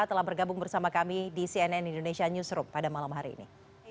telah bergabung bersama kami di cnn indonesia newsroom pada malam hari ini